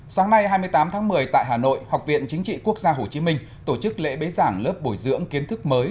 sáng nay hai mươi tám tháng một mươi tại hà nội học viện chính trị quốc gia hồ chí minh tổ chức lễ bế giảng lớp bồi dưỡng kiến thức mới